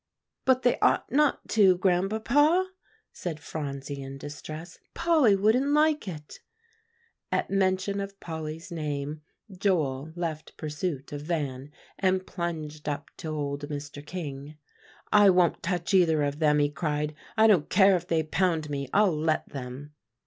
"But they ought not to, Grandpapa," said Phronsie in distress. "Polly wouldn't like it." At mention of Polly's name Joel left pursuit of Van, and plunged up to old Mr. King. "I won't touch either of them," he cried; "I don't care if they pound me; I'll let them."